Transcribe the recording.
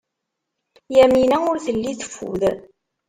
Yamina ur telli teffud.